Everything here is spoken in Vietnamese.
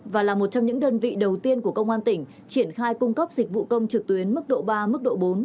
và là một trong những đơn vị đầu tiên của công an tỉnh triển khai cung cấp dịch vụ công trực tuyến mức độ ba mức độ bốn